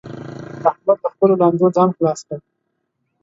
احمد له خپلو لانجو ځان خلاص کړ